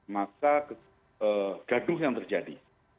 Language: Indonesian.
maka gaduh yang terjadi